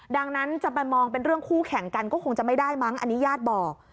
ดังนั้นจะไปมองเป็นเรื่องคู่แข่งกันก็คงจะไม่ได้มั้งอันนี้ญาติบอก